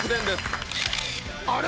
あれ？